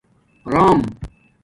رام